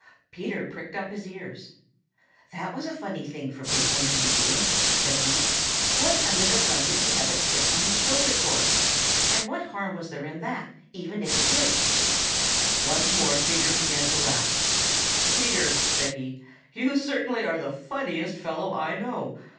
Peter pricked up his ears. "That was a funny thing for Big Horn to be doing," said he. "What under the sun did he have a chip on his shoulder for? And what harm was there in that, even if he did?" Once more Digger began to laugh. "Peter," said he, "you certainly are the funniest fellow I know.